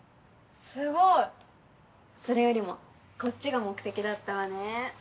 すごい！それよりもこっちが目的だったわね。